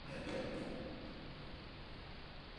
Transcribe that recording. Esta fábrica será el origen del grupo Michelin.